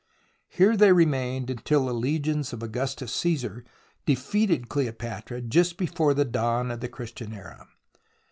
Here they remained until the legions of Augustus Caesar defeated Cleo patra just before the dawn of the Christian era.